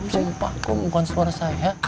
sumpah bukan suara saya